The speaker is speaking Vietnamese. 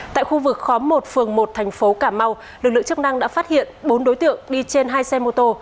tại khu vực khóm một phường một thành phố cà mau lực lượng chức năng đã phát hiện bốn đối tượng đi trên hai xe mô tô